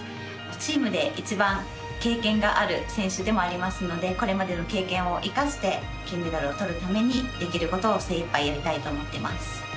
チームで一番経験がある選手でもありますのでこれまでの経験を生かして金メダルをとるためにできることを精いっぱいやりたいと思っています。